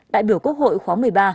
đại biểu quốc hội khóa một mươi ba